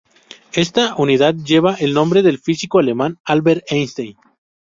Esta unidad lleva el nombre del físico alemán Albert Einstein.